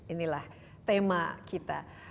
inilah tema kita